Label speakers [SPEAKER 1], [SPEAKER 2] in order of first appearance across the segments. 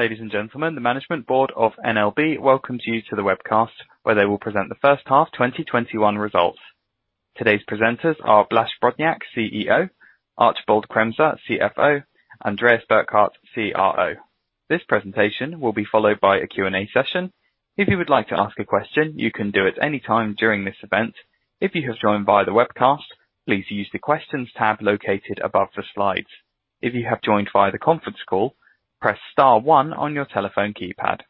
[SPEAKER 1] Ladies and gentlemen, the management board of NLB welcomes you to the webcast, where they will present the first half 2021 results. Today's presenters are Blaž Brodnjak, CEO, Archibald Kremser, CFO, Andreas Burkhardt, CRO. This presentation will be followed by a Q&A session. If you would like to ask a question, you can do it any time during this event. If you have joined via the webcast, please use the questions tab located above the slides. If you have joined via the conference call, press star one on your telephone keypad.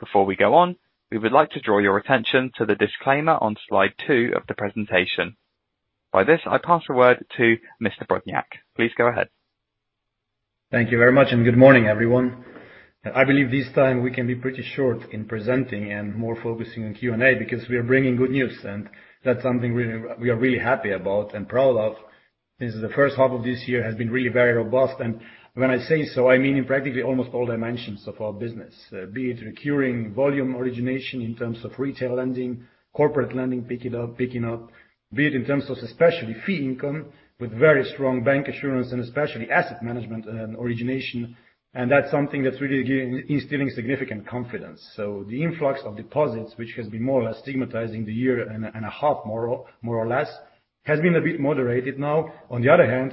[SPEAKER 1] Before we go on, we would like to draw your attention to the disclaimer on slide two of the presentation. By this, I pass the word to Mr. Brodnjak. Please go ahead.
[SPEAKER 2] Thank you very much. Good morning, everyone. I believe this time we can be pretty short in presenting and more focusing on Q&A because we are bringing good news. That's something we are really happy about and proud of. Since the first half of this year has been really very robust. When I say so, I mean in practically almost all dimensions of our business, be it recurring volume origination in terms of retail lending, corporate lending, picking up. Be it in terms of especially fee income with very strong bancassurance and especially asset management and origination. That's something that's really instilling significant confidence. The influx of deposits, which has been more or less stigmatizing the year and a half, more or less, has been a bit moderated now.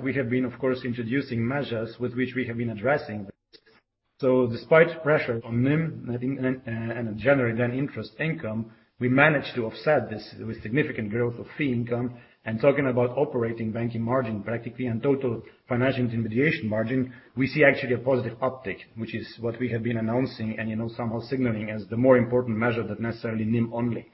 [SPEAKER 2] We have been, of course, introducing measures with which we have been addressing. Despite pressure on NIM and generally then interest income, we managed to offset this with significant growth of fee income. Talking about operating banking margin practically and total financial intermediation margin, we see actually a positive uptick, which is what we have been announcing and somehow signaling as the more important measure than necessarily NIM only.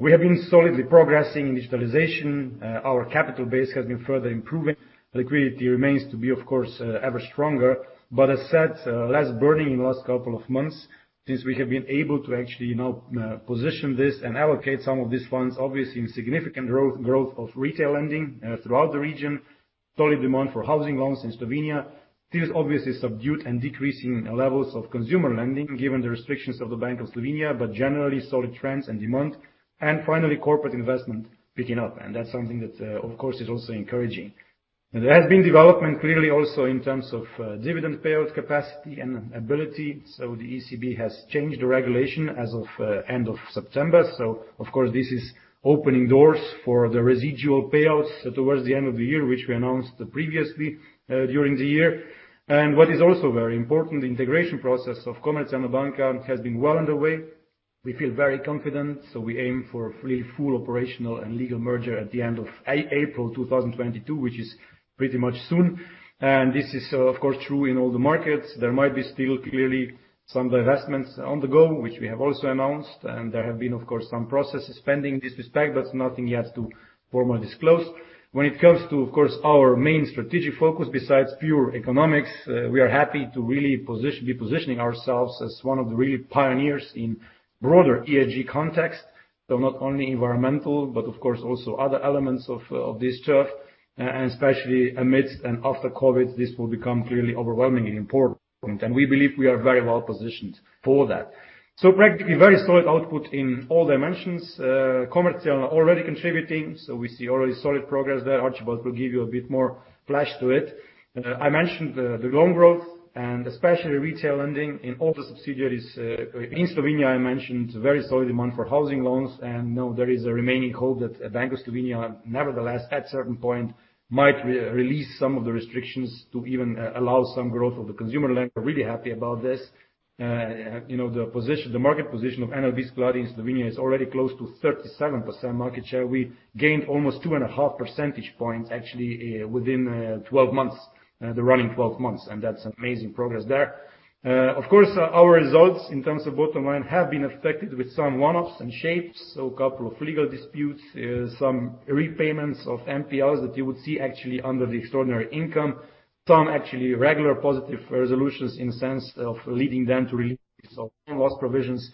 [SPEAKER 2] We have been solidly progressing in digitalization. Our capital base has been further improving. Liquidity remains to be, of course, ever stronger, as said, less burning in the last couple of months since we have been able to actually position this and allocate some of these funds, obviously in significant growth of retail lending throughout the region. Solid demand for housing loans in Slovenia. Still obviously subdued and decreasing levels of consumer lending, given the restrictions of the Bank of Slovenia, but generally solid trends and demand. Finally, corporate investment picking up. That's something that, of course, is also encouraging. There has been development clearly also in terms of dividend payout capacity and ability. The ECB has changed the regulation as of end of September. Of course, this is opening doors for the residual payouts towards the end of the year, which we announced previously during the year. What is also very important, the integration process of Komercijalna Banka has been well underway. We feel very confident, so we aim for a full operational and legal merger at the end of April 2022, which is pretty much soon. This is, of course, true in all the markets. There might be still clearly some divestments on the go, which we have also announced, and there have been, of course, some processes pending in this respect, but nothing yet to formally disclose. When it comes to, of course, our main strategic focus besides pure economics, we are happy to really be positioning ourselves as one of the really pioneers in broader ESG context. Not only environmental, but of course, also other elements of this turf, and especially amidst and after COVID, this will become clearly overwhelmingly important. We believe we are very well positioned for that. Practically very solid output in all dimensions, Komercijalna already contributing, so we see already solid progress there. Archibald will give you a bit more flash to it. I mentioned the long growth and especially retail lending in all the subsidiaries. In Slovenia, I mentioned very solid demand for housing loans, and now there is a remaining hope that Bank of Slovenia, nevertheless, at certain point, might release some of the restrictions to even allow some growth of the consumer lender. Really happy about this. The market position of NLB Skladi in Slovenia is already close to 37% market share. We gained almost 2.5 percentage points actually within 12 months, the running 12 months, and that's amazing progress there. Of course, our results in terms of bottom line have been affected with some one-offs and shapes. A couple of legal disputes, some repayments of NPLs that you would see actually under the extraordinary income. Some actually regular positive resolutions in the sense of leading them to release some loss provisions.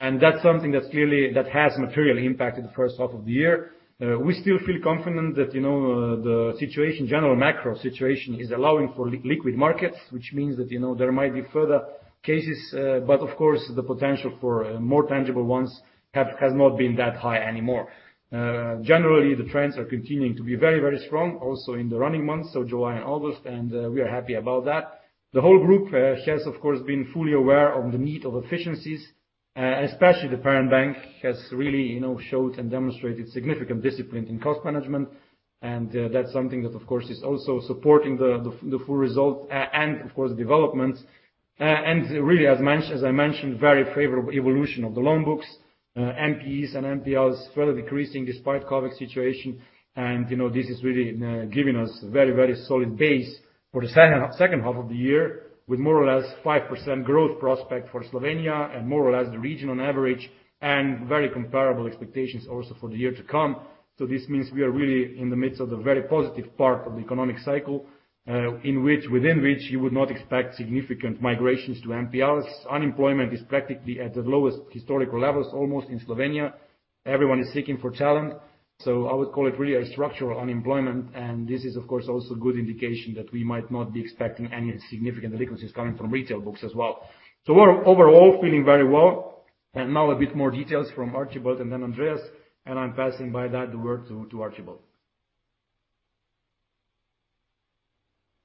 [SPEAKER 2] That's something that clearly that has materially impacted the first half of the year. We still feel confident that the general macro situation is allowing for liquid markets, which means that there might be further cases. Of course, the potential for more tangible ones has not been that high anymore. Generally, the trends are continuing to be very strong, also in the running months, so July and August, and we are happy about that. The whole group has, of course, been fully aware of the need of efficiencies. Especially the parent bank has really showed and demonstrated significant discipline in cost management, and that's something that, of course, is also supporting the full results and of course, developments. Really, as I mentioned, very favorable evolution of the loan books, NPEs and NPLs further decreasing despite COVID situation. This is really giving us very solid base for the second half of the year with more or less 5% growth prospect for Slovenia and more or less the region on average, and very comparable expectations also for the year to come. This means we are really in the midst of a very positive part of the economic cycle within which you would not expect significant migrations to NPLs. Unemployment is practically at the lowest historical levels, almost in Slovenia. Everyone is seeking for talent. I would call it really a structural unemployment, and this is, of course, also good indication that we might not be expecting any significant delinquencies coming from retail books as well. We're overall feeling very well. Now a bit more details from Archibald and then Andreas. I'm passing the word to Archibald.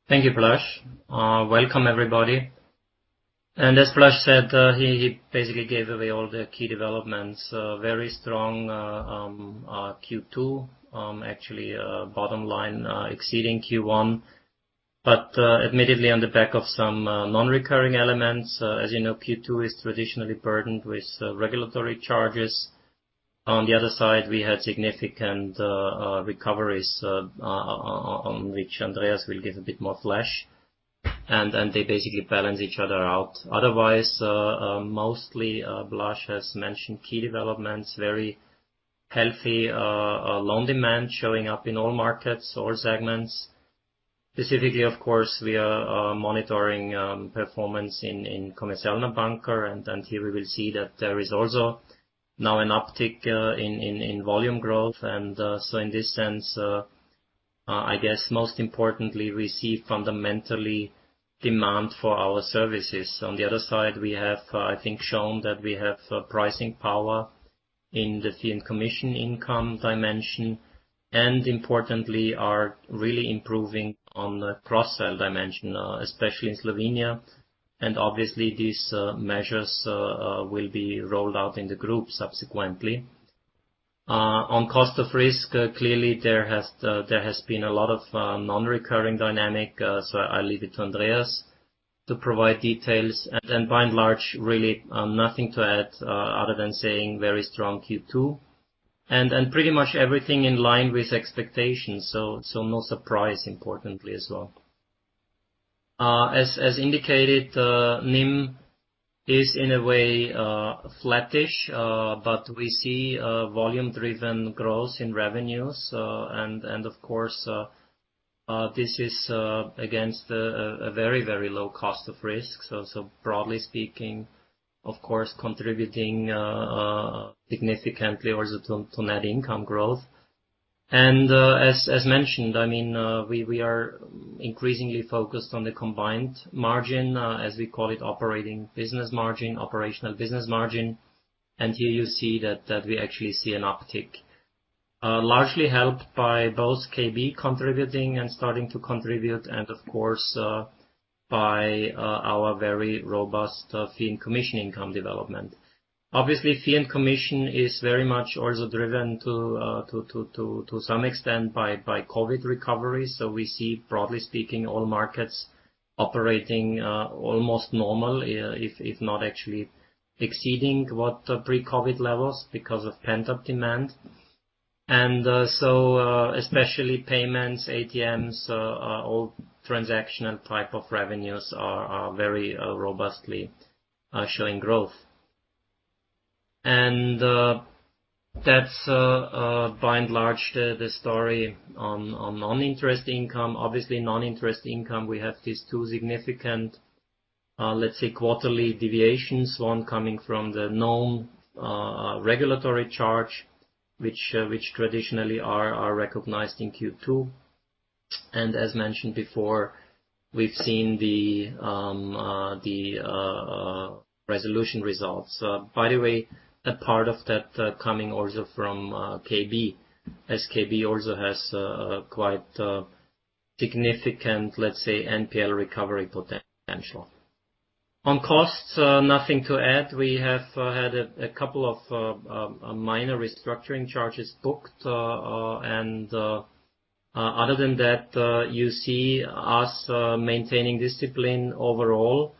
[SPEAKER 3] Thank you, Blaž. Welcome everybody. As Blaž said, he basically gave away all the key developments. A very strong Q2, actually bottom line exceeding Q1. Admittedly on the back of some non-recurring elements. As you know, Q2 is traditionally burdened with regulatory charges. On the other side, we had significant recoveries, on which Andreas will give a bit more flesh. They basically balance each other out. Otherwise, mostly Blaž has mentioned key developments, very healthy loan demand showing up in all markets, all segments. Specifically, of course, we are monitoring performance in Komercijalna Banka, here we will see that there is also now an uptick in volume growth. In this sense, I guess most importantly, we see fundamentally demand for our services. On the other side, we have I think shown that we have pricing power in the fee and commission income dimension, importantly are really improving on the cross-sell dimension, especially in Slovenia. Obviously these measures will be rolled out in the group subsequently. On cost of risk, clearly there has been a lot of non-recurring dynamic, so I leave it to Andreas to provide details. By and large, really nothing to add other than saying very strong Q2. Pretty much everything in line with expectations, no surprise importantly as well. As indicated, NIM is in a way flattish, we see volume driven growth in revenues. Of course, this is against a very, very low cost of risk. Broadly speaking, of course, contributing significantly also to net income growth. As mentioned, we are increasingly focused on the combined margin, as we call it, operating business margin, operational business margin. Here you see that we actually see an uptick. Largely helped by both KB contributing and starting to contribute, and of course, by our very robust fee and commission income development. Fee and commission is very much also driven to some extent by COVID recovery. We see, broadly speaking, all markets operating almost normal, if not actually exceeding what pre-COVID levels because of pent-up demand. Especially payments, ATMs, all transactional type of revenues are very robustly showing growth. That's by and large the story on non-interest income. Non-interest income, we have these two significant, let's say, quarterly deviations. One coming from the known regulatory charge, which traditionally are recognized in Q2. As mentioned before, we've seen the resolution results. A part of that coming also from KB, as KB also has a quite significant, let's say, NPL recovery potential. On costs, nothing to add. We have had a couple of minor restructuring charges booked. Other than that, you see us maintaining discipline overall.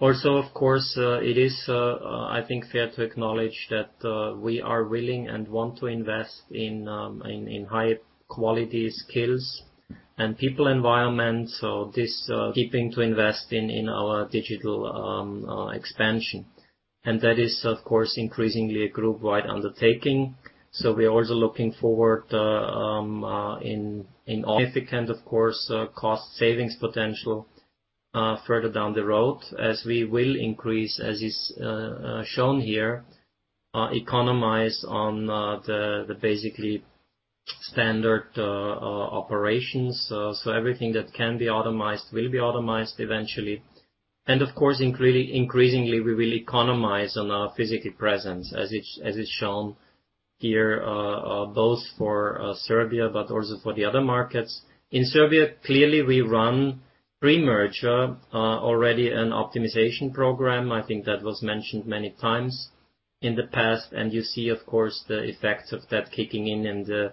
[SPEAKER 3] Of course, it is I think fair to acknowledge that we are willing and want to invest in high-quality skills and people environment. This keeping to invest in our digital expansion. That is, of course, increasingly a group-wide undertaking. We are also looking forward in significant, of course, cost savings potential further down the road as we will increase, as is shown here, economize on the basically standard operations. Everything that can be automized will be automized eventually. Of course, increasingly we will economize on our physical presence, as is shown here, both for Serbia but also for the other markets. In Serbia, clearly, we run pre-merger, already an optimization program. I think that was mentioned many times in the past, you see, of course, the effects of that kicking in in the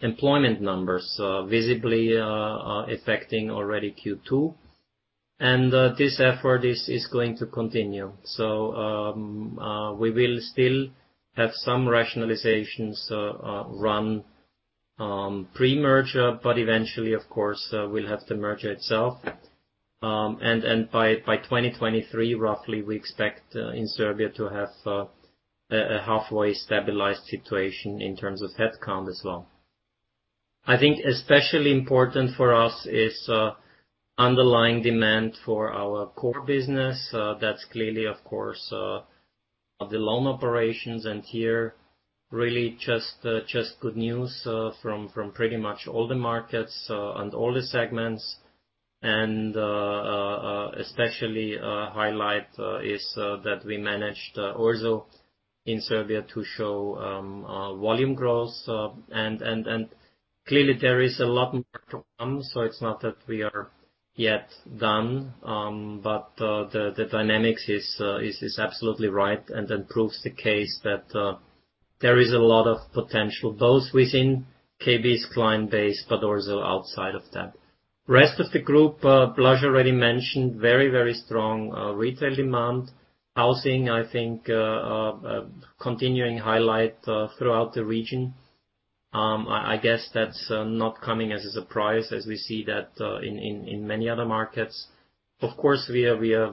[SPEAKER 3] employment numbers, visibly affecting already Q2. This effort is going to continue. We will still have some rationalizations run pre-merger, eventually, of course, we'll have the merger itself. By 2023, roughly, we expect in Serbia to have a halfway stabilized situation in terms of headcount as well. I think especially important for us is underlying demand for our core business. That's clearly, of course, the loan operations, and here really just good news from pretty much all the markets and all the segments. Especially a highlight is that we managed also in Serbia to show volume growth. There is a lot more to come, so it's not that we are yet done, but the dynamics is absolutely right and then proves the case that there is a lot of potential, both within KB's client base but also outside of that. Rest of the group, Blaž already mentioned very, very strong retail demand. Housing, I think continuing highlight throughout the region. That's not coming as a surprise as we see that in many other markets. We are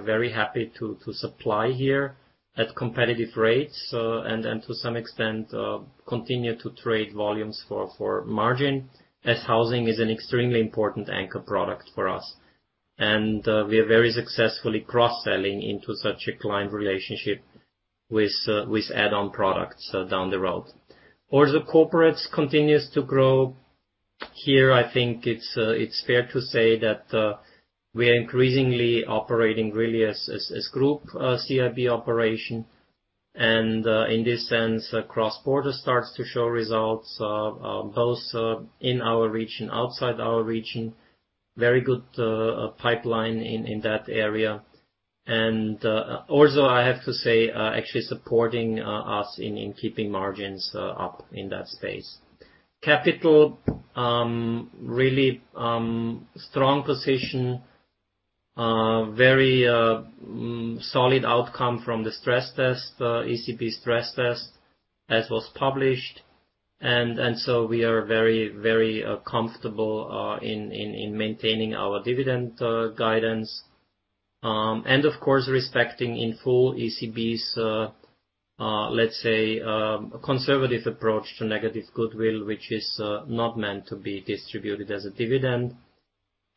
[SPEAKER 3] very happy to supply here at competitive rates, and to some extent, continue to trade volumes for margin, as housing is an extremely important anchor product for us. We are very successfully cross-selling into such a client relationship with add-on products down the road. Also corporates continues to grow. Here, I think it's fair to say that we are increasingly operating really as Group CIB operation, and in this sense, cross-border starts to show results both in our region, outside our region. Very good pipeline in that area. Also, I have to say, actually supporting us in keeping margins up in that space. Capital, really strong position, very solid outcome from the stress test, ECB stress test as was published. We are very comfortable in maintaining our dividend guidance. Of course, respecting in full ECB's, let's say, conservative approach to negative goodwill, which is not meant to be distributed as a dividend.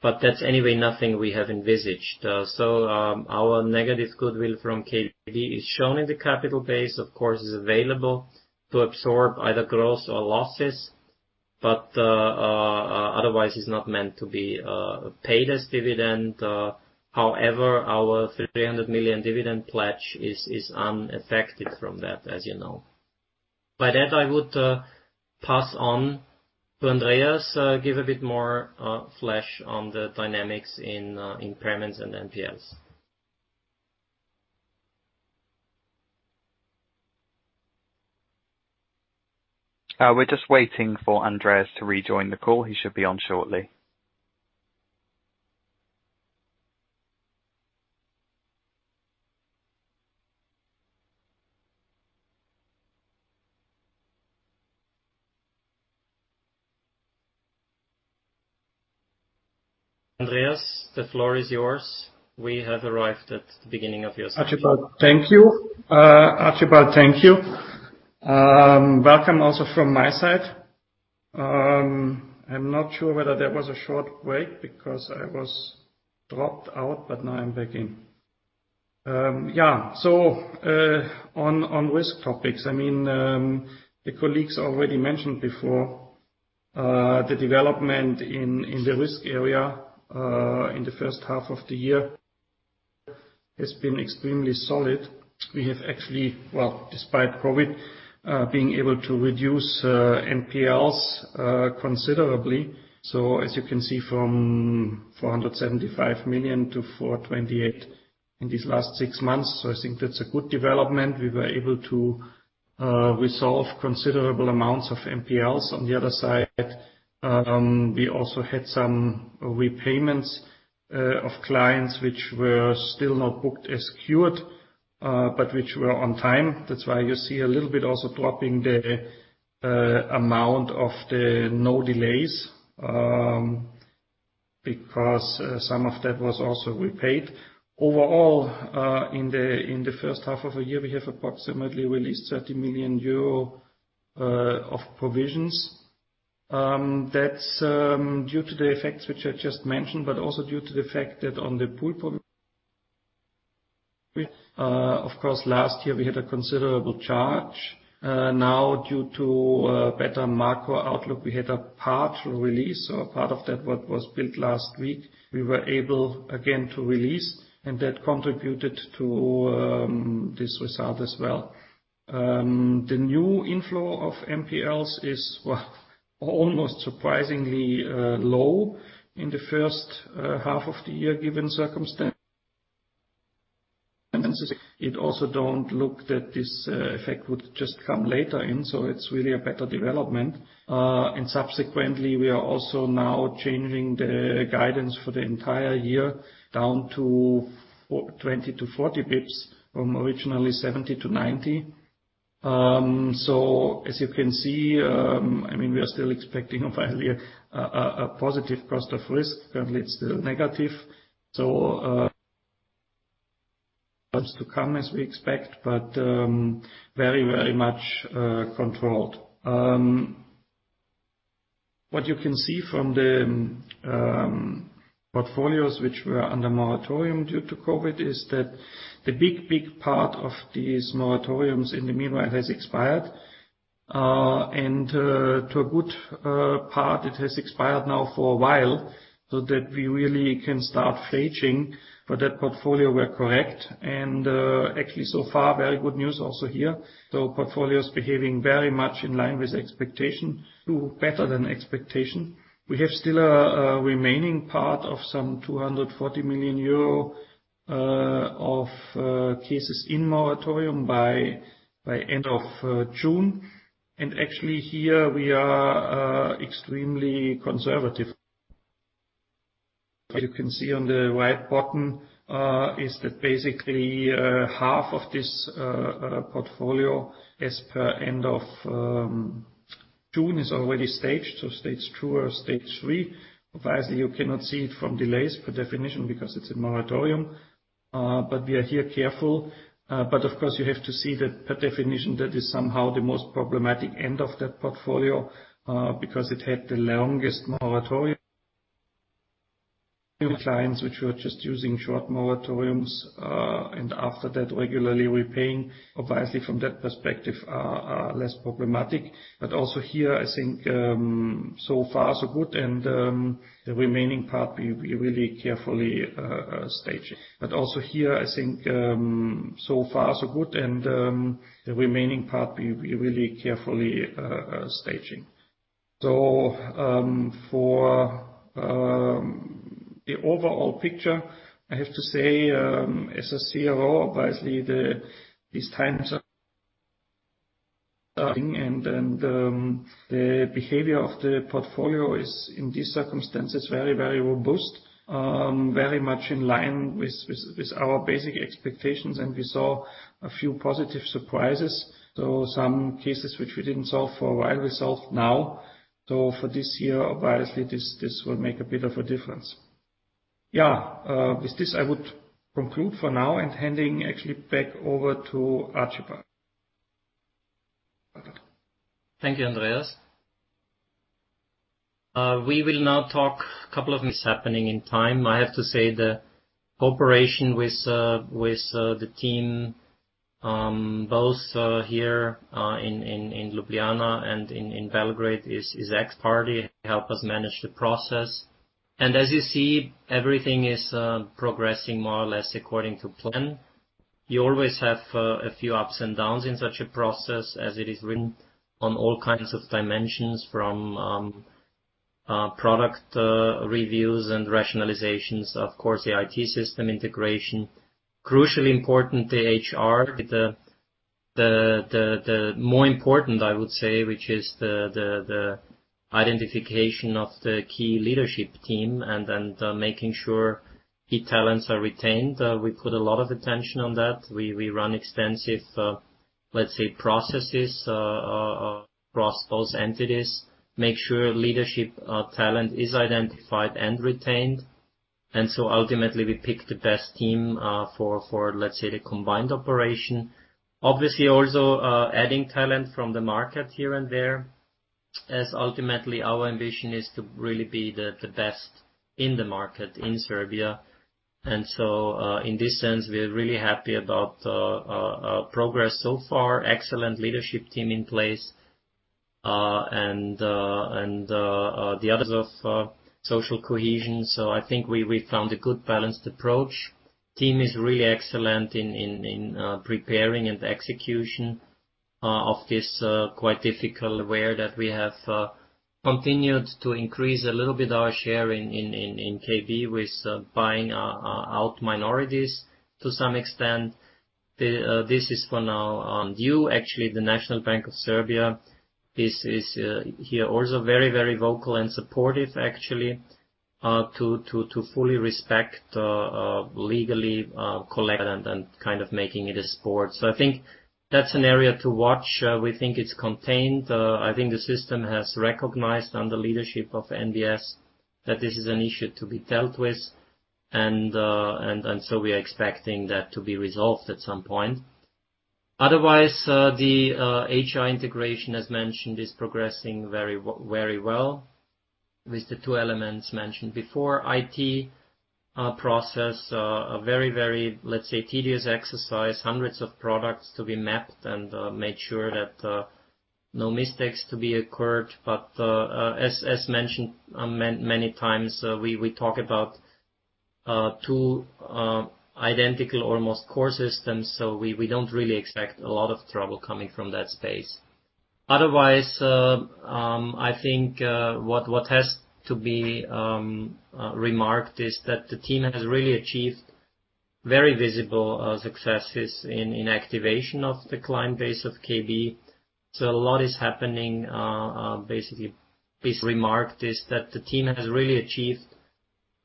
[SPEAKER 3] That's anyway nothing we have envisaged. Our negative goodwill from KB is shown in the capital base, of course, is available to absorb either growth or losses. Otherwise, it's not meant to be paid as dividend. However, our 300 million dividend pledge is unaffected from that, as you know. By that, I would pass on to Andreas, give a bit more flash on the dynamics in impairments and NPLs.
[SPEAKER 1] We're just waiting for Andreas to rejoin the call. He should be on shortly.
[SPEAKER 3] Andreas, the floor is yours. We have arrived at the beginning of your-
[SPEAKER 4] Archibald, thank you. Welcome also from my side. I'm not sure whether that was a short break because I was dropped out, but now I'm back in. Yeah. On risk topics. The colleagues already mentioned before, the development in the risk area, in the first half of the year has been extremely solid. We have actually, well, despite COVID, being able to reduce NPLs considerably. As you can see from 475 million to 428 million in these last six months. I think that's a good development. We were able to resolve considerable amounts of NPLs. On the other side, we also had some repayments of clients which were still not booked as cured, but which were on time. That's why you see a little bit also dropping the amount of the no delays, because some of that was also repaid. Overall, in the first half of the year, we have approximately released 30 million euro of provisions. That's due to the effects which I just mentioned, but also due to the effect that on the pool provision. Of course, last year we had a considerable charge. Due to better macro outlook, we had a partial release or part of that what was built last week. We were able again to release, that contributed to this result as well. The new inflow of NPLs is, well, almost surprisingly low in the first half of the year, given circumstances. It also don't look that this effect would just come later in, it's really a better development. Subsequently, we are also now changing the guidance for the entire year down to 20 basis points-40 basis points from originally 70 basis points-90 basis points. As you can see, we are still expecting finally a positive cost of risk. Currently, it's still negative, to come as we expect, but very much controlled. What you can see from the portfolios which were under moratorium due to COVID is that the big part of these moratoriums in the meanwhile has expired. To a good part, it has expired now for a while, so that we really can start staging for that portfolio we're correct. Actually, so far, very good news also here. Portfolio is behaving very much in line with expectation to better than expectation. We have still a remaining part of some 240 million euro of cases in moratorium by end of June. Actually here we are extremely conservative. As you can see on the right bottom, is that basically half of this portfolio as per end of June is already staged, so stage two or stage three. Obviously, you cannot see it from delays per definition because it's a moratorium. We are here careful. Of course, you have to see that per definition, that is somehow the most problematic end of that portfolio, because it had the longest moratorium. New clients, which were just using short moratoriums, and after that, regularly repaying, obviously from that perspective are less problematic. Also here, I think, so far so good, and the remaining part we're really carefully staging. For the overall picture, I have to say, as a CRO, obviously these times are and the behavior of the portfolio is, in these circumstances, very robust. Very much in line with our basic expectations, and we saw a few positive surprises. Some cases which we didn't solve for a while, we solved now. For this year, obviously, this will make a bit of a difference. Yeah. With this, I would conclude for now and handing actually back over to Archibald.
[SPEAKER 3] Thank you, Andreas. We will now talk a couple of things happening in time. I have to say, the cooperation with the team, both here in Ljubljana and in Belgrade is expertly help us manage the process. As you see, everything is progressing more or less according to plan. You always have a few ups and downs in such a process as it is written on all kinds of dimensions, from product reviews and rationalizations. Of course, the IT system integration. Crucially important, the HR with the more important, I would say, which is the identification of the key leadership team and then making sure key talents are retained. We put a lot of attention on that. We run extensive, let's say, processes across those entities, make sure leadership talent is identified and retained. Ultimately, we pick the best team for, let's say, the combined operation. Also adding talent from the market here and there, as ultimately our ambition is to really be the best in the market in Serbia. In this sense, we are really happy about progress so far. Excellent leadership team in place. The others of social cohesion. I think we found a good balanced approach. Team is really excellent in preparing and execution of this quite difficult aware that we have continued to increase a little bit our share in KB with buying out minorities to some extent. This is for now on you. Actually, the National Bank of Serbia is here also very, very vocal and supportive actually, to fully respect legally collect and kind of making it a sport. I think that's an area to watch. We think it's contained. I think the system has recognized on the leadership of NBS that this is an issue to be dealt with. We are expecting that to be resolved at some point. The HR integration, as mentioned, is progressing very well with the two elements mentioned before. IT process, a very, very, let's say, tedious exercise, hundreds of products to be mapped and make sure that no mistakes to be occurred. As mentioned many times, we talk about two identical or most core systems, so we don't really expect a lot of trouble coming from that space. I think what has to be remarked is that the team has really achieved very visible successes in activation of the client base of KB. A lot is happening, basically, is that the team has really achieved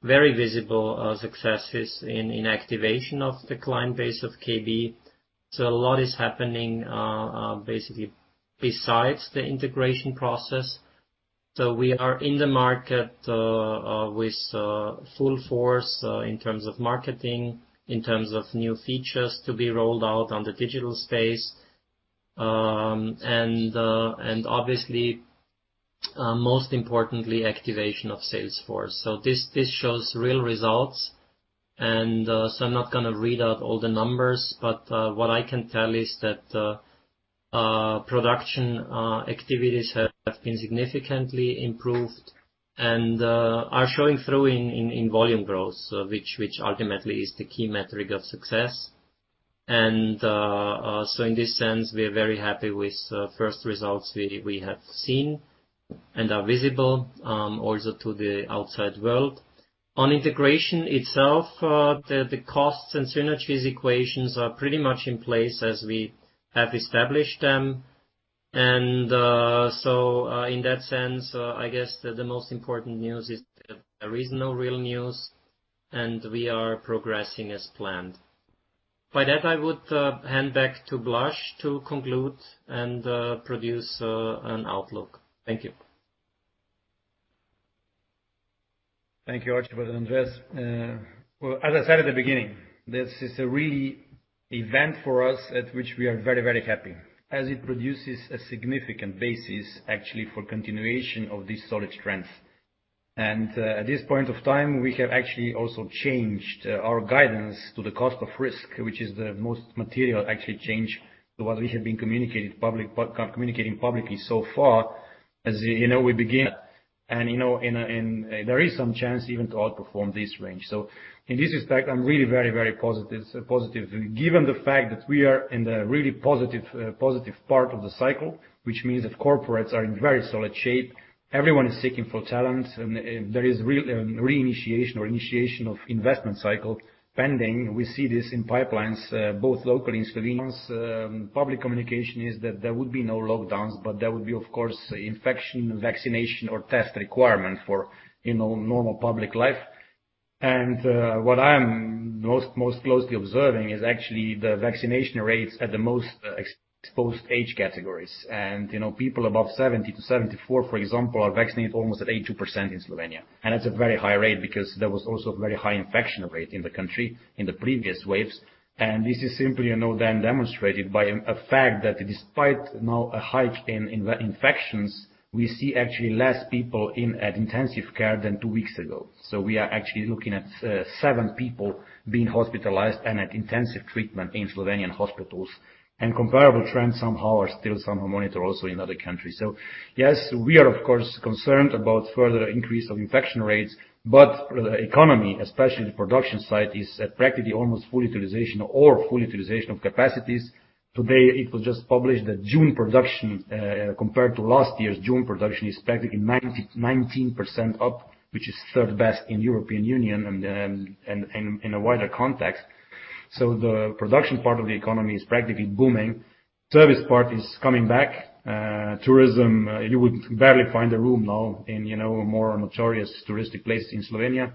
[SPEAKER 3] very visible successes in activation of the client base of KB. A lot is happening, basically, besides the integration process. We are in the market with full force in terms of marketing, in terms of new features to be rolled out on the digital space. Obviously. Most importantly, activation of Salesforce. This shows real results. I am not going to read out all the numbers, but what I can tell is that production activities have been significantly improved and are showing through in volume growth, which ultimately is the key metric of success. In this sense, we are very happy with first results we have seen and are visible also to the outside world. On integration itself, the costs and synergies equations are pretty much in place as we have established them. In that sense, I guess the most important news is there is no real news, and we are progressing as planned. By that, I would hand back to Blaž to conclude and produce an outlook. Thank you.
[SPEAKER 2] Thank you, Archibald and Andreas. Well, as I said at the beginning, this is a real event for us at which we are very, very happy, as it produces a significant basis actually for continuation of this solid strength. At this point of time, we have actually also changed our guidance to the cost of risk, which is the most material actually change to what we have been communicating publicly so far. As you know, we begin and there is some chance even to outperform this range. In this respect, I'm really very, very positive. Given the fact that we are in the really positive part of the cycle, which means that corporates are in very solid shape. Everyone is seeking for talent, there is re-initiation or initiation of investment cycle pending. We see this in pipelines, both local in Slovenia. Public communication is that there would be no lockdowns, but there would be, of course, infection, vaccination, or test requirement for normal public life. What I am most closely observing is actually the vaccination rates at the most exposed age categories. People above 70-74, for example, are vaccinated almost at 82% in Slovenia. That's a very high rate because there was also a very high infection rate in the country in the previous waves. This is simply then demonstrated by a fact that despite now a hike in infections, we see actually less people at intensive care than two weeks ago. We are actually looking at seven people being hospitalized and at intensive treatment in Slovenian hospitals, and comparable trends somehow are still somehow monitored also in other countries. Yes, we are, of course, concerned about further increase of infection rates, but the economy, especially the production side, is at practically almost full utilization or full utilization of capacities. Today it was just published that June production, compared to last year's June production, is practically 19% up, which is third best in European Union and in a wider context. The production part of the economy is practically booming. Service part is coming back. Tourism, you would barely find a room now in more notorious touristic places in Slovenia.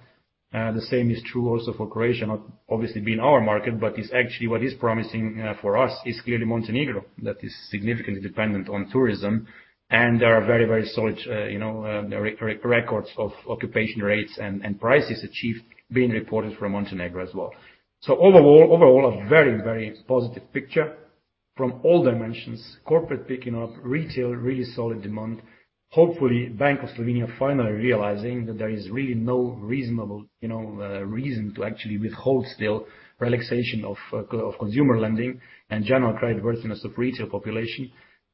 [SPEAKER 2] The same is true also for Croatia, not obviously being our market, but is actually what is promising for us is clearly Montenegro. That is significantly dependent on tourism, and there are very, very solid records of occupation rates and prices achieved being reported from Montenegro as well. Overall, a very, very positive picture from all dimensions. Corporate picking up, retail, really solid demand. Hopefully, Bank of Slovenia finally realizing that there is really no reasonable reason to actually withhold still relaxation of consumer lending and general creditworthiness of retail population,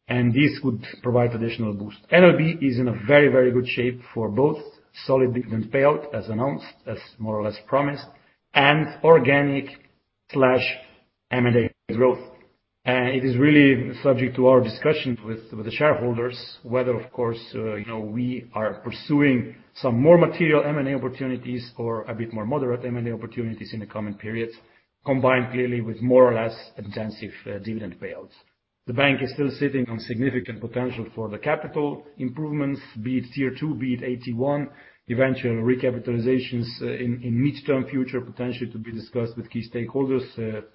[SPEAKER 2] this would provide additional boost. NLB is in a very good shape for both solid dividend payout, as announced, as more or less promised, and organic/M&A growth. It is really subject to our discussions with the shareholders whether, of course we are pursuing some more material M&A opportunities or a bit more moderate M&A opportunities in the coming periods, combined clearly with more or less intensive dividend payouts. The bank is still sitting on significant potential for the capital improvements, be it Tier 2, be it AT1, eventual recapitalizations in mid-term future, potentially to be discussed with key stakeholders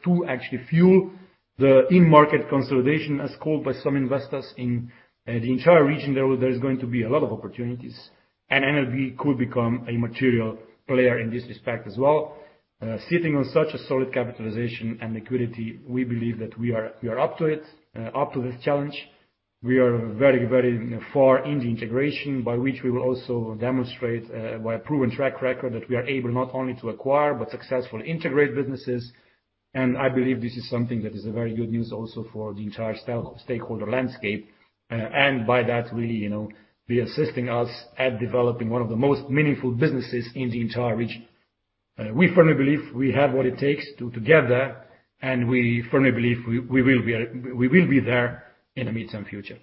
[SPEAKER 2] to actually fuel the in-market consolidation, as called by some investors in the entire region. There is going to be a lot of opportunities. NLB could become a material player in this respect as well. Sitting on such a solid capitalization and liquidity, we believe that we are up to this challenge. We are very far in the integration, by which we will also demonstrate by a proven track record that we are able not only to acquire, but successfully integrate businesses. I believe this is something that is a very good news also for the entire stakeholder landscape. By that really be assisting us at developing one of the most meaningful businesses in the entire region. We firmly believe we have what it takes to get there. We firmly believe we will be there in the mid-term future.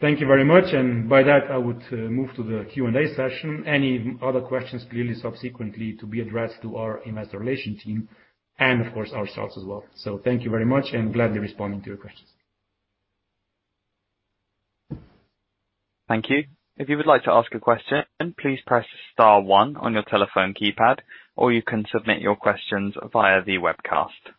[SPEAKER 2] Thank you very much. By that, I would move to the Q&A session. Any other questions clearly subsequently to be addressed to our investor relation team and, of course, ourselves as well. Thank you very much, and gladly responding to your questions.
[SPEAKER 1] Thank you. If you would like to ask a question, please press star one on your telephone keypad, or you can submit your questions via the webcast.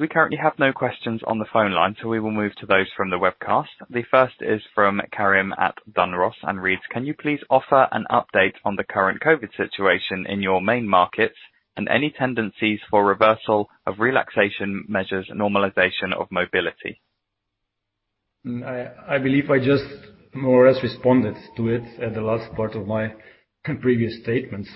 [SPEAKER 1] We currently have no questions on the phone line, so we will move to those from the webcast. The first is from Karrim at Dunross and reads, "Can you please offer an update on the current COVID situation in your main markets and any tendencies for reversal of relaxation measures, normalization of mobility?
[SPEAKER 2] I believe I just more or less responded to it at the last part of my previous statement.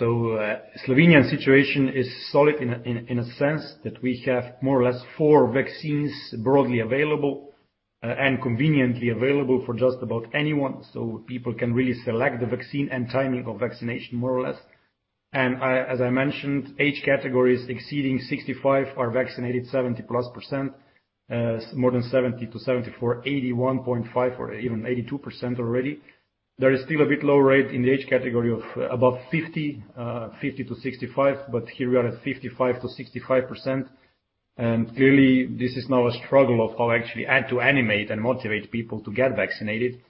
[SPEAKER 2] Slovenian situation is solid in a sense that we have more or less four vaccines broadly available and conveniently available for just about anyone, so people can really select the vaccine and timing of vaccination, more or less. As I mentioned, age categories exceeding 65 are vaccinated 70+%, more than 70%-74%, 81.5% or even 82% already. There is still a bit low rate in the age category of above 50 to 65, but here we are at 55%-65%. Clearly, this is now a struggle of how actually to animate and motivate people to get vaccinated.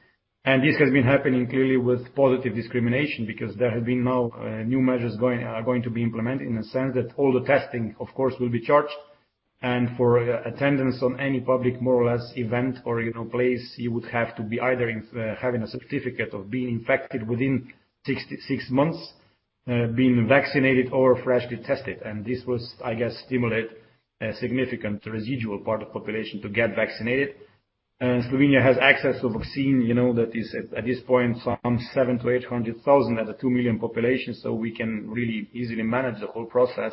[SPEAKER 2] This has been happening clearly with positive discrimination because there have been now new measures are going to be implemented in a sense that all the testing, of course, will be charged. For attendance on any public, more or less, event or place, you would have to be either having a certificate of being infected within six months, being vaccinated or freshly tested. This will, I guess, stimulate a significant residual part of population to get vaccinated. Slovenia has access to vaccine that is at this point some 700,000-800,000 as a two million population, so we can really easily manage the whole process.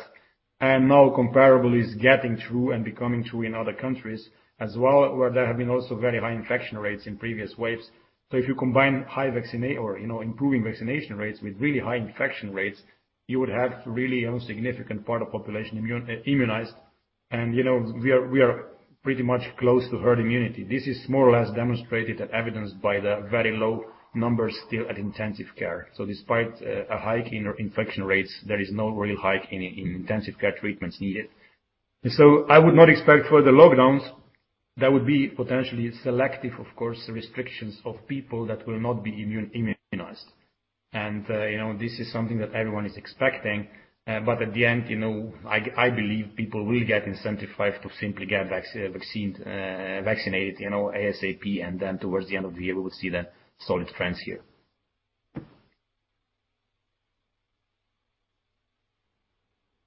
[SPEAKER 2] Now comparable is getting through and becoming true in other countries as well, where there have been also very high infection rates in previous waves. If you combine improving vaccination rates with really high infection rates, you would have really a significant part of population immunized. We are pretty much close to herd immunity. This is more or less demonstrated and evidenced by the very low numbers still at intensive care. Despite a hike in infection rates, there is no real hike in intensive care treatments needed. I would not expect further lockdowns. That would be potentially selective, of course, restrictions of people that will not be immunized. This is something that everyone is expecting. At the end, I believe people will get incentivized to simply get vaccinated ASAP. Then towards the end of the year, we will see the solid trends here.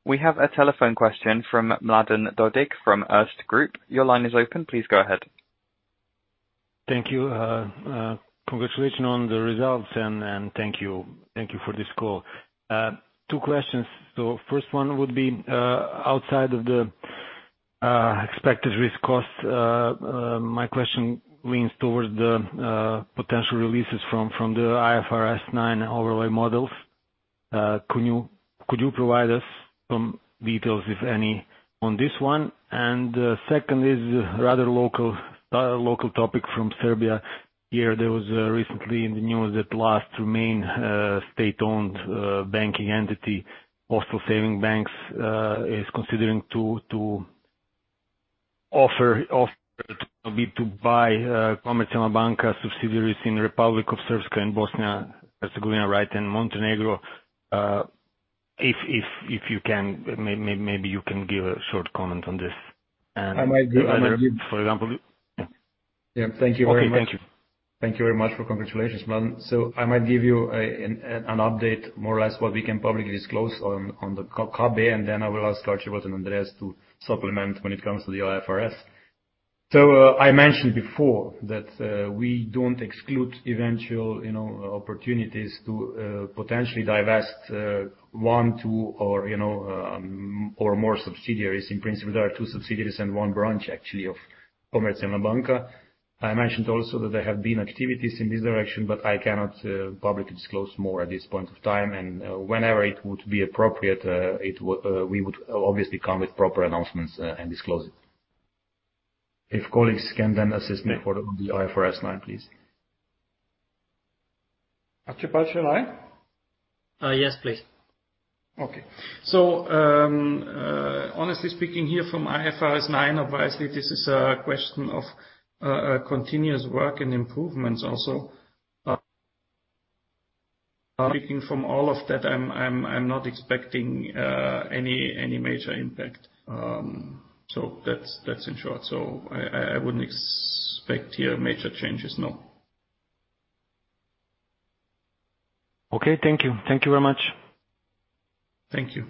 [SPEAKER 1] We have a telephone question from Mladen Dodig from Erste Group. Your line is open. Please go ahead.
[SPEAKER 5] Thank you. Congratulations on the results. Thank you for this call. Two questions. First one would be, outside of the expected risk cost, my question leans towards the potential releases from the IFRS 9 overlay models. Could you provide us some details, if any, on this one? Second is a rather local topic from Serbia. Here there was recently in the news that last main state-owned banking entity, Postal Savings Bank, is considering to offer to buy Komercijalna Banka subsidiaries in Republic of Srpska in Bosnia and Herzegovina, right in Montenegro. If you can, maybe you can give a short comment on this.
[SPEAKER 2] I might give-
[SPEAKER 5] For example.
[SPEAKER 2] Yeah. Thank you very much.
[SPEAKER 5] Okay. Thank you.
[SPEAKER 2] Thank you very much for congratulations, Mladen. I might give you an update, more or less, what we can publicly disclose on the KB, and then I will ask Archibald and Andreas to supplement when it comes to the IFRS. I mentioned before that we don't exclude eventual opportunities to potentially divest one, two, or more subsidiaries. In principle, there are two subsidiaries and one branch, actually, of Komercijalna Banka. I mentioned also that there have been activities in this direction, I cannot publicly disclose more at this point of time. Whenever it would be appropriate, we would obviously come with proper announcements and disclose it. If colleagues can then assist me for the IFRS 9, please.
[SPEAKER 4] Archibald, shall I?
[SPEAKER 3] Yes, please.
[SPEAKER 4] Okay. Honestly speaking here from IFRS 9, obviously, this is a question of continuous work and improvements also. Speaking from all of that, I'm not expecting any major impact. That's in short. I wouldn't expect here major changes, no.
[SPEAKER 5] Okay. Thank you. Thank you very much.
[SPEAKER 4] Thank you.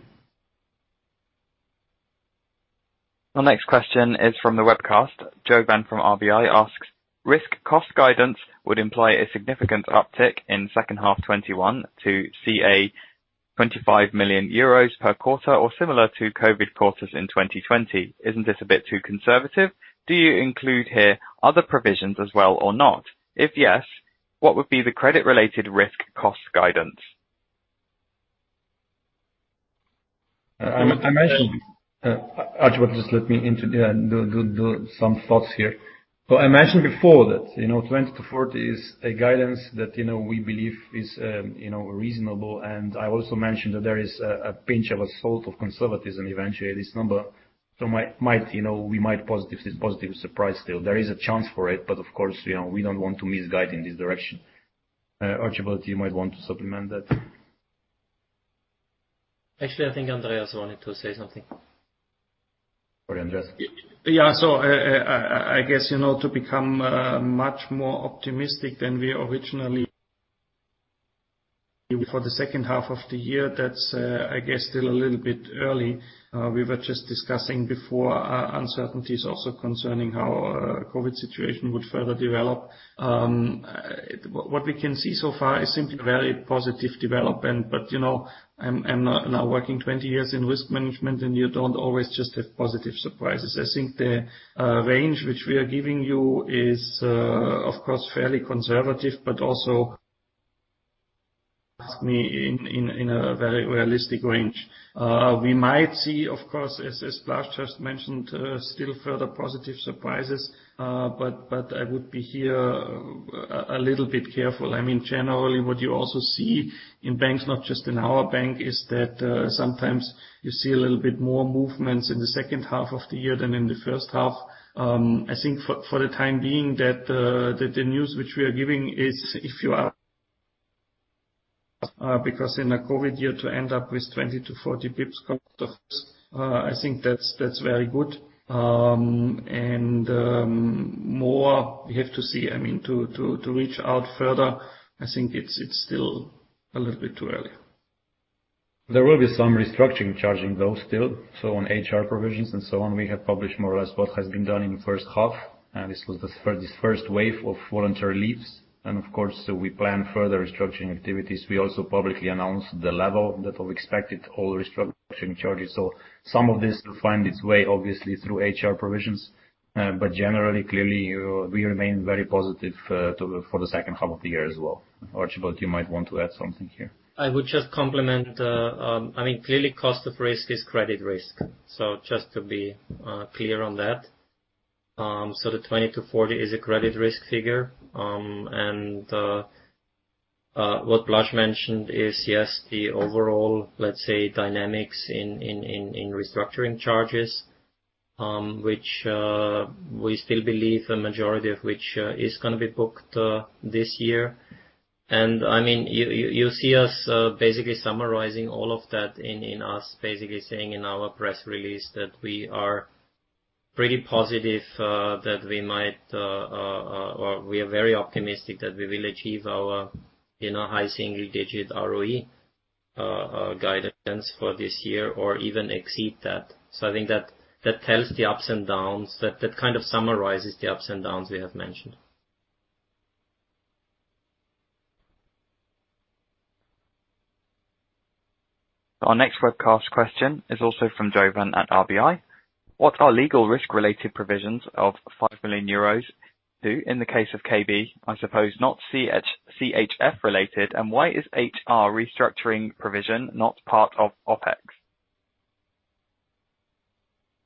[SPEAKER 1] The next question is from the webcast. Jovan from RBI asks, "Risk cost guidance would imply a significant uptick in second half 2021 to CA 25 million euros per quarter or similar to COVID quarters in 2020. Isn't this a bit too conservative? Do you include here other provisions as well or not? If yes, what would be the credit-related risk cost guidance?
[SPEAKER 2] I mentioned Archibald, just let me introduce some thoughts here. I mentioned before that 20-40 is a guidance that we believe is reasonable. I also mentioned that there is a pinch of a salt of conservatism eventually at this number. We might be positively surprised still. There is a chance for it, but of course, we don't want to misguide in this direction. Archibald, you might want to supplement that.
[SPEAKER 3] Actually, I think Andreas wanted to say something.
[SPEAKER 2] Sorry, Andreas.
[SPEAKER 4] I guess to become much more optimistic than we originally. For the second half of the year, that's, I guess, still a little bit early. We were just discussing before uncertainties also concerning how COVID situation would further develop. What we can see so far is simply a very positive development. I'm now working 20 years in risk management, and you don't always just have positive surprises. I think the range which we are giving you is, of course, fairly conservative, but also, if you ask me, in a very realistic range. We might see, of course, as Blaž just mentioned, still further positive surprises. I would be here a little bit careful. Generally, what you also see in banks, not just in our bank, is that sometimes you see a little bit more movements in the second half of the year than in the first half. I think for the time being, that the news which we are giving is because in a COVID year to end up with 20-40 basis points cost of risk, I think that's very good. More, we have to see. To reach out further, I think it's still a little bit too early.
[SPEAKER 2] There will be some restructuring charging, though, still. On HR provisions and so on, we have published more or less what has been done in the first half. This was this first wave of voluntary leaves. Of course, we plan further restructuring activities. We also publicly announced the level that we expected all restructuring charges. Some of this will find its way, obviously, through HR provisions. Generally, clearly, we remain very positive for the second half of the year as well. Archibald, you might want to add something here.
[SPEAKER 3] I would just complement. Clearly, cost of risk is credit risk. Just to be clear on that. The 20-40 is a credit risk figure. What Blaž mentioned is, yes, the overall, let's say, dynamics in restructuring charges, which we still believe a majority of which is going to be booked this year. You see us basically summarizing all of that in us basically saying in our press release that we are pretty positive that we might or we are very optimistic that we will achieve our high single-digit ROE guidance for this year, or even exceed that. I think that tells the ups and downs. That kind of summarizes the ups and downs we have mentioned.
[SPEAKER 1] Our next webcast question is also from Jovan at RBI. What are legal risk-related provisions of 5 million euros do in the case of KB, I suppose not CHF related, and why is HR restructuring provision not part of OpEx?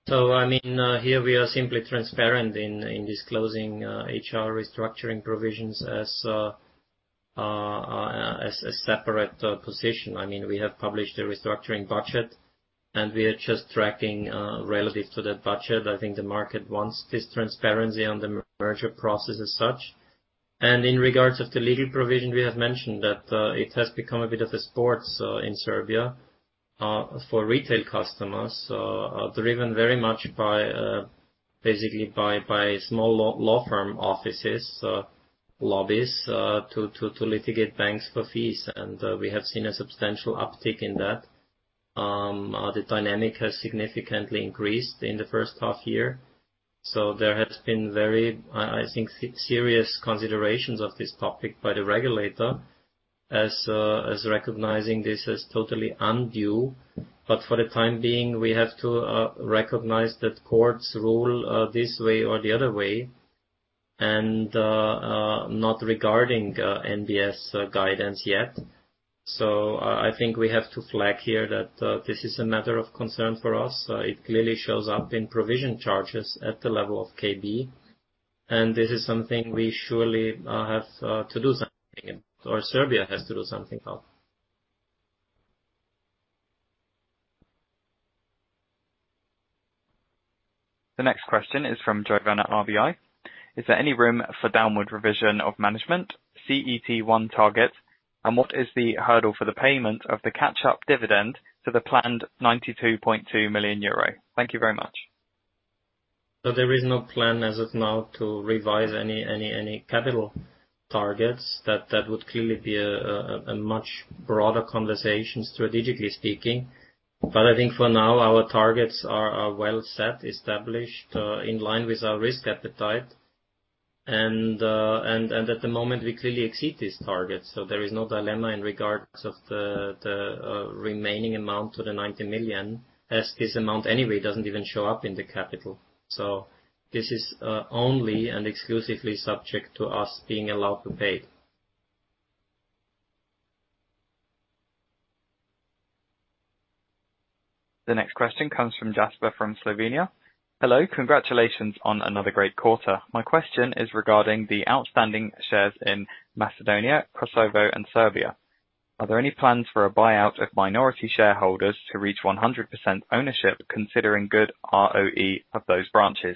[SPEAKER 3] Here we are simply transparent in disclosing HR restructuring provisions as a separate position. We have published a restructuring budget, and we are just tracking relative to that budget. I think the market wants this transparency on the merger process as such. In regards of the legal provision, we have mentioned that it has become a bit of a sport in Serbia for retail customers, driven very much basically by small law firm offices, lobbies to litigate banks for fees. We have seen a substantial uptick in that. The dynamic has significantly increased in the first half year. There has been very, I think, serious considerations of this topic by the regulator as recognizing this as totally undue. For the time being, we have to recognize that courts rule this way or the other way, and not regarding NBS guidance yet. I think we have to flag here that this is a matter of concern for us. It clearly shows up in provision charges at the level of KB, and this is something we surely have to do something, or Serbia has to do something of.
[SPEAKER 1] The next question is from Jovan at RBI. Is there any room for downward revision of management CET1 targets, and what is the hurdle for the payment of the catch-up dividend to the planned 92.2 million euro? Thank you very much.
[SPEAKER 3] There is no plan as of now to revise any capital targets. That would clearly be a much broader conversation, strategically speaking. I think for now, our targets are well set, established, in line with our risk appetite. At the moment, we clearly exceed these targets. There is no dilemma in regards of the remaining amount to the 90 million, as this amount anyway doesn't even show up in the capital. This is only and exclusively subject to us being allowed to pay.
[SPEAKER 1] The next question comes from Jasper from Slovenia. Hello. Congratulations on another great quarter. My question is regarding the outstanding shares in Macedonia, Kosovo, and Serbia. Are there any plans for a buyout of minority shareholders to reach 100% ownership, considering good ROE of those branches?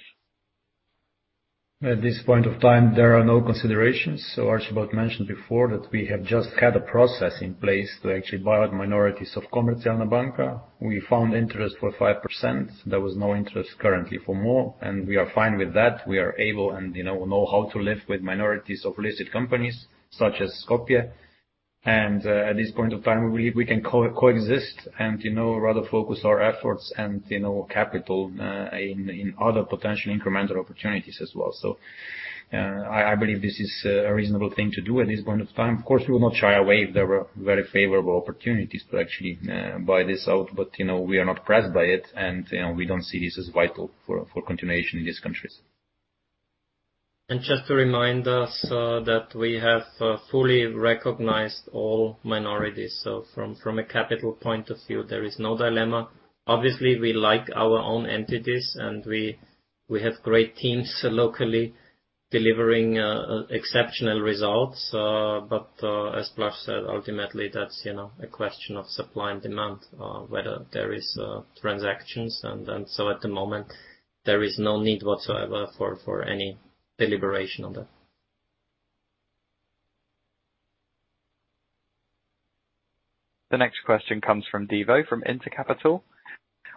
[SPEAKER 2] At this point of time, there are no considerations. Archibald mentioned before that we have just had a process in place to actually buy out minorities of Komercijalna Banka. We found interest for 5%. There was no interest currently for more, and we are fine with that. We are able and know how to live with minorities of listed companies such as Skopje. At this point of time, we believe we can coexist and rather focus our efforts and capital in other potential incremental opportunities as well. I believe this is a reasonable thing to do at this point of time. Of course, we will not shy away if there were very favorable opportunities to actually buy this out. We are not pressed by it, and we don't see this as vital for continuation in these countries.
[SPEAKER 3] Just to remind us that we have fully recognized all minorities. From a capital point of view, there is no dilemma. Obviously, we like our own entities, and we have great teams locally delivering exceptional results. As Blaž said, ultimately, that's a question of supply and demand, whether there is transactions. At the moment, there is no need whatsoever for any deliberation on that.
[SPEAKER 1] The next question comes from Đivo from InterCapital.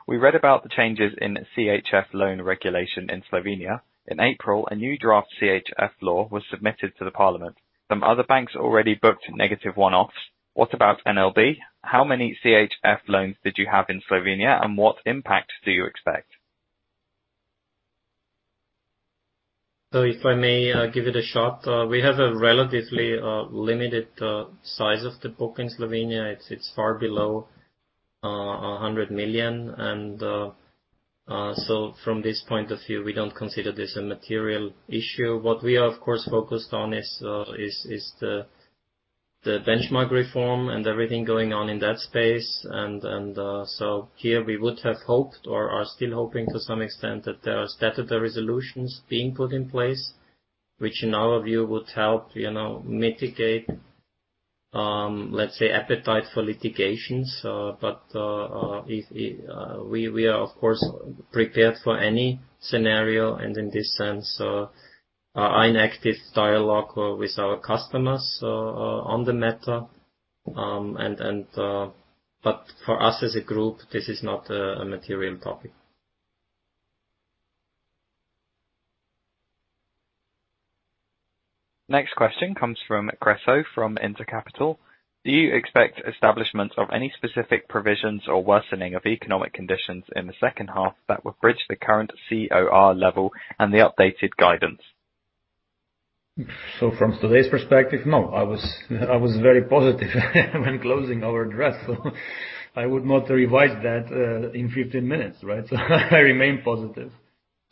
[SPEAKER 1] We read about the changes in CHF loan regulation in Slovenia. In April, a new draft CHF law was submitted to the parliament. Some other banks already booked negative one-offs. What about NLB? How many CHF loans did you have in Slovenia, and what impact do you expect?
[SPEAKER 3] If I may give it a shot. We have a relatively limited size of the book in Slovenia. It's far below 100 million. From this point of view, we don't consider this a material issue. What we are, of course, focused on is the benchmark reform and everything going on in that space. Here we would have hoped or are still hoping to some extent that there are statutory resolutions being put in place, which in our view would help mitigate, let's say, appetite for litigations. We are, of course, prepared for any scenario, and in this sense, are in active dialogue with our customers on the matter. For us as a group, this is not a material topic.
[SPEAKER 1] Next question comes from Krešo from InterCapital. Do you expect establishment of any specific provisions or worsening of economic conditions in the second half that would bridge the current COR level and the updated guidance?
[SPEAKER 2] From today's perspective, no. I was very positive when closing our address. I would not revise that in 15 minutes, right? I remain positive.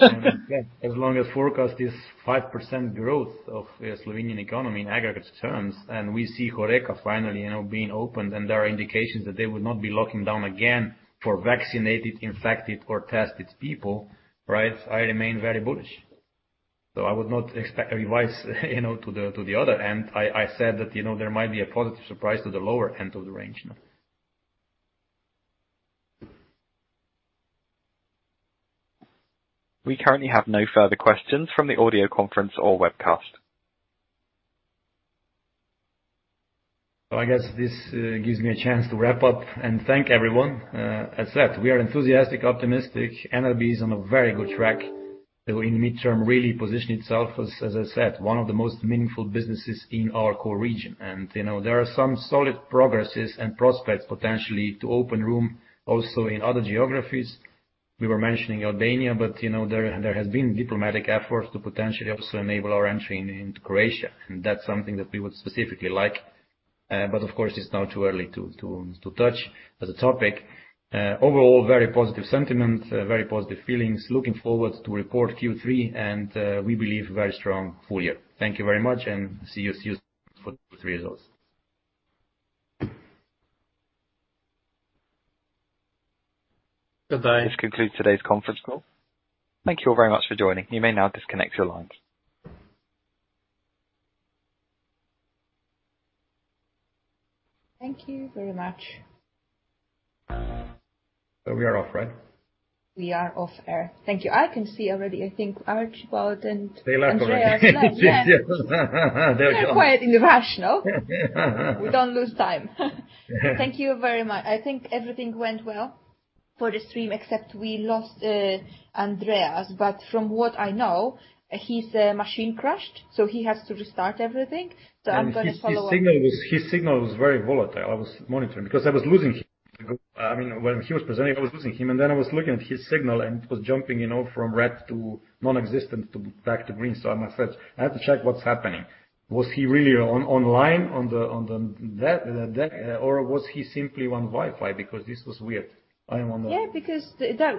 [SPEAKER 2] As long as forecast is 5% growth of Slovenian economy in aggregate terms, and we see HoReCa finally being opened, and there are indications that they would not be locking down again for vaccinated, infected or tested people, I remain very bullish. I would not revise to the other end. I said that there might be a positive surprise to the lower end of the range.
[SPEAKER 1] We currently have no further questions from the audio conference or webcast.
[SPEAKER 2] I guess this gives me a chance to wrap up and thank everyone. As said, we are enthusiastic, optimistic. NLB is on a very good track to, in the midterm, really position itself as I said, one of the most meaningful businesses in our core region. There are some solid progresses and prospects potentially to open room also in other geographies. We were mentioning Albania, but there has been diplomatic efforts to potentially also enable our entry into Croatia, and that's something that we would specifically like. Of course, it's now too early to touch as a topic. Overall, very positive sentiment, very positive feelings. Looking forward to record Q3, and we believe very strong full year. Thank you very much, see you soon for Q3 results.
[SPEAKER 3] Goodbye.
[SPEAKER 1] This concludes today's conference call. Thank you all very much for joining. You may now disconnect your lines.
[SPEAKER 6] Thank you very much.
[SPEAKER 2] We are off, right?
[SPEAKER 6] We are off air. Thank you. I can see already, I think Archibald and Andreas.
[SPEAKER 2] They left already. There you go.
[SPEAKER 6] We are quite in the rush, no. We don't lose time. Thank you very much. I think everything went well for the stream, except we lost Andreas. From what I know, his machine crashed, so he has to restart everything. I'm going to follow up.
[SPEAKER 2] His signal was very volatile. I was monitoring because I was losing him. When he was presenting, I was losing him, and then I was looking at his signal, and it was jumping from red to non-existent to back to green. I said, "I have to check what's happening." Was he really online on the deck, or was he simply on Wi-Fi? Because this was weird. I am wondering.
[SPEAKER 6] Yeah, because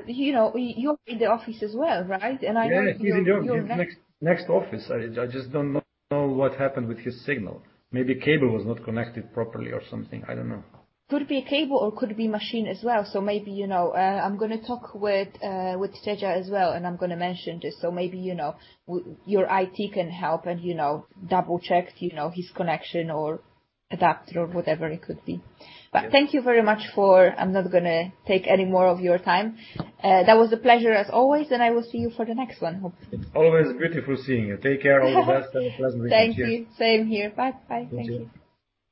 [SPEAKER 6] you're in the office as well, right?
[SPEAKER 2] Yeah, he's in the next office. I just don't know what happened with his signal. Maybe cable was not connected properly or something. I don't know.
[SPEAKER 6] Could be a cable or could be machine as well. Maybe, I'm going to talk with Tedja as well, and I'm going to mention this. Maybe your IT can help and double check his connection or adapter or whatever it could be.
[SPEAKER 2] Yeah.
[SPEAKER 6] Thank you very much for I'm not going to take any more of your time. That was a pleasure as always, and I will see you for the next one.
[SPEAKER 2] It's always beautiful seeing you. Take care. All the best. Have a pleasant weekend.
[SPEAKER 6] Thank you. Same here. Bye. Thank you.
[SPEAKER 2] Thank you.